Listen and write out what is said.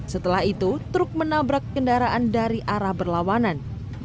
setelah itu truk menabrak kendaraan dari arah berlawanan